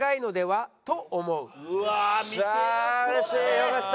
よかった。